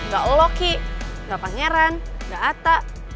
gak loki gak pangeran gak atta